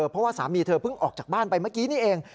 เพราะว่าสามีเธอเพิ่งออกจากบ้านไปเมื่อกี้นี่เอง